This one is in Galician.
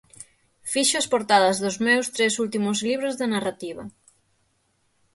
Fixo as portadas dos meus tres últimos libros de narrativa.